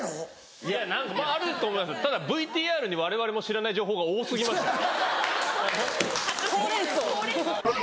いやあると思いますよただＶＴＲに我々も知らない情報が多過ぎましたね。